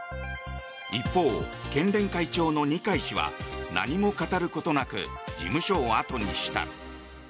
一方、県連会長の二階氏は何も語ることなく事務所を後にした。